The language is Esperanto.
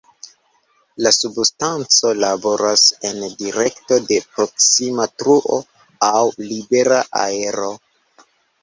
La substanco laboras en direkto de proksima truo aŭ "libera aero".